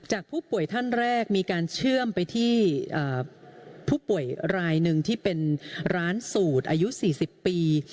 ผู้ป่วยท่านแรกมีการเชื่อมไปที่ผู้ป่วยรายหนึ่งที่เป็นร้านสูตรอายุ๔๐ปี